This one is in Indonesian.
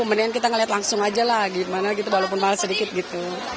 mendingan kita ngeliat langsung aja lah gimana gitu walaupun mahal sedikit gitu